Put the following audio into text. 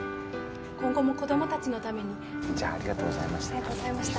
今後も子供達のためにじゃあありがとうございましたありがとうございました